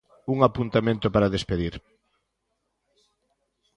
Un apuntamento para despedir.